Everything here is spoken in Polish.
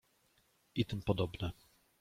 I tym podobne.